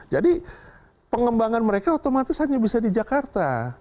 jadi pengembangan mereka otomatis hanya bisa di jakarta